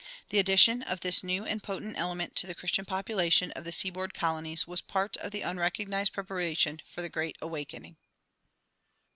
The addition of this new and potent element to the Christian population of the seaboard colonies was part of the unrecognized preparation for the Great Awakening.